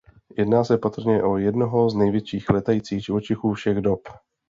Jedná se patrně o jednoho z největších létajících živočichů všech dob.